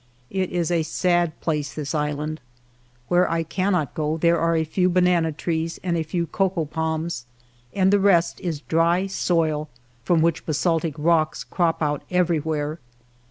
It is a sad place, this island. Where I cannot go there are a few banana trees and a few cocoa palms, and the rest is dry soil from which basaltic rocks crop out everywhere.